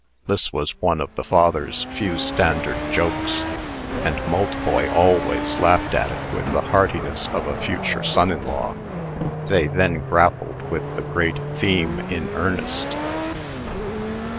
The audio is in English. This was one of the father's few standard jokes; and Maltboy always laughed at it with the heartiness of a future son in law. They then grappled with the great theme in earnest.